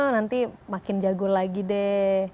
nanti makin jago lagi deh